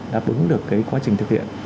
đáp ứng được cái quá trình thực hiện